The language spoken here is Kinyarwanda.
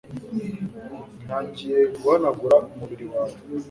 ntangiye guhanagura umubiri wawe